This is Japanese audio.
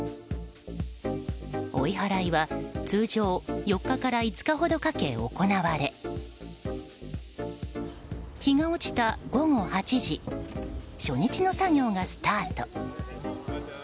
追い払いは通常４日から５日ほどかけ行われ日が落ちた午後８時初日の作業がスタート。